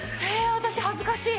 私恥ずかしい。